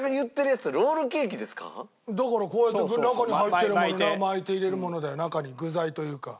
だからこうやって中に入ってるもの巻いて入れるもので中に具材というか。